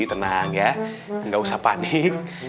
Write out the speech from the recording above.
tenang ya nggak usah panik